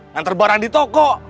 yang terbarang di toko